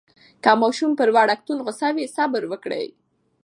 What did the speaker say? که ماشوم پر وړکتون غوصه وي، صبر وکړئ.